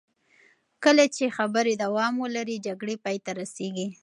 کله چې خبرې دوام ولري، جګړې پای ته رسېږي.